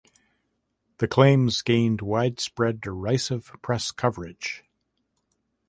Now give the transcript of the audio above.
The claims gained widespread derisive press coverage.